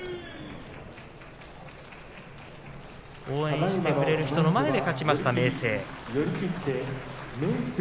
応援してくれる人の前で勝ちました、明生。